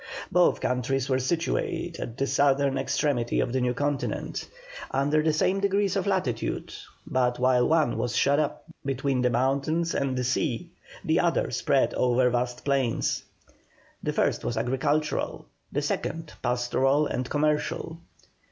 Both countries were situate at the southern extremity of the new continent, under the same degrees of latitude, but while one was shut up between the mountains and the sea, the other spread over vast plains. The first was agricultural, the second pastoral and commercial.